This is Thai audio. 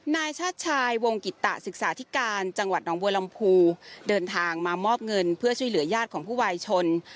นายชาติชายวงกิตตะศึกษาธิการจังหวัดน้องบัวลำพูเดินทางมามอบเงินเพื่อช่วยเหลือญาติของผู้วายชน